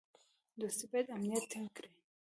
دوستي باید امنیت ټینګ کړي.